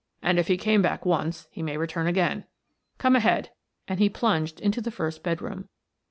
"And if he came back once, he may return again. Come ahead," and he plunged into the first bedroom.